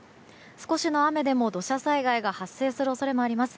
少しの雨でも土砂災害が発生する恐れもあります。